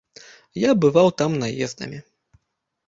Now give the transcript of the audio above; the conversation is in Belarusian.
Я бываў там наездамі.